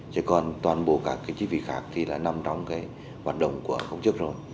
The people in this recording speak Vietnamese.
chứ còn toàn bộ các cái chi phí khác thì lại nằm trong cái hoạt động của công chức rồi